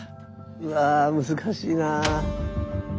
うわ難しいな！